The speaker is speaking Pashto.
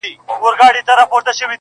رندان سنګسار ته یوسي دوی خُمونه تښتوي-